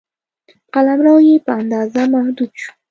قلمرو یې په اندازه محدود شو.